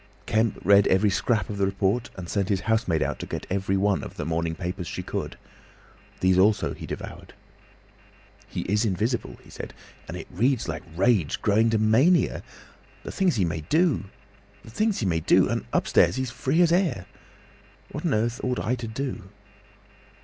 Kemp read every scrap of the report and sent his housemaid out to get every one of the morning papers she could. These also he devoured. "He is invisible!" he said. "And it reads like rage growing to mania! The things he may do! The things he may do! And he's upstairs free as the air. What on earth ought I to do?"